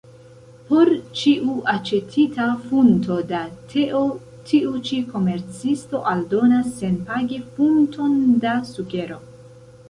Por ĉiu aĉetita funto da teo tiu ĉi komercisto aldonas senpage funton da sukero.